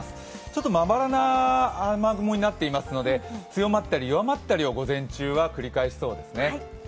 ちょっとまばらな雨雲になっていますので、強まったり弱まったりを午前中は繰り返しそうですね。